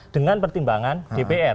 dengan pertimbangan dpr